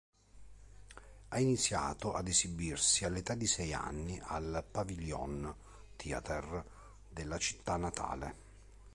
Ha iniziato ad esibirsi all'età di sei anni al Pavilion Theatre della città natale.